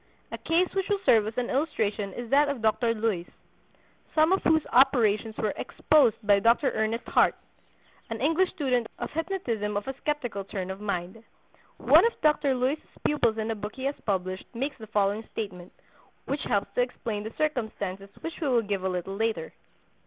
A case which will serve as an illustration is that of Dr. Luys, some of whose operations were "exposed" by Dr. Ernest Hart, an English student of hypnotism of a skeptical turn of mind. One of Dr. Luys's pupils in a book he has published makes the following statement, which helps to explain the circumstances which we will give a little later.